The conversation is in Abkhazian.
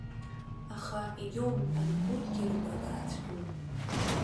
Аха, егьоумҳәан, урҭгьы рыгәрагара цәгьоуп.